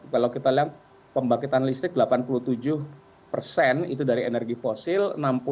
kalau kita lihat pembangkitan listrik delapan puluh tujuh persen itu dari energi fosil